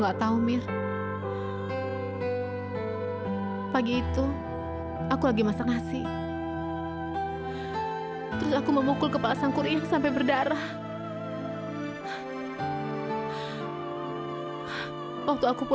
sudah berapa lama kamu gak ketemu orang tua kamu